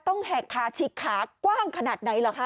ต้องแหกขาฉีกขากว้างขนาดไหนล่ะคะ